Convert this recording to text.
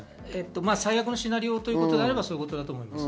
最悪のシナリオということであればそうだと思います。